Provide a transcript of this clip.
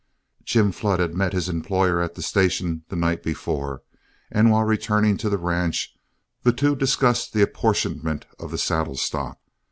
Jim Flood had met his employer at the station the night before, and while returning to the ranch, the two discussed the apportionment of the saddle stock.